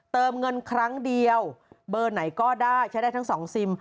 เติมเงินครั้งเดียวเบอร์ไหนก็ได้ใช้ได้ทั้งสองซิม